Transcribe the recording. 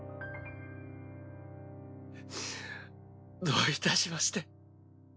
どういたしまして。